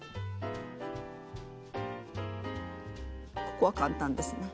ここは簡単ですね。